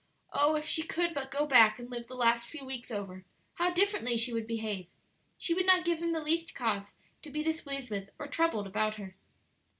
Oh, if she could but go back and live the last few weeks over, how differently she would behave! She would not give him the least cause to be displeased with or troubled about her.